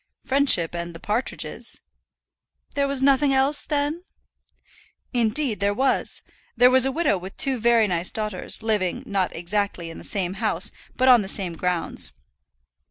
"Friendship and the partridges." "There was nothing else, then?" "Indeed there was. There was a widow with two very nice daughters, living, not exactly in the same house, but on the same grounds."